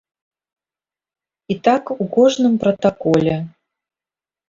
І так у кожным пратаколе.